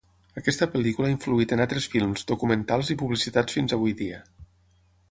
Aquesta pel·lícula ha influït en altres films, documentals i publicitats fins avui dia.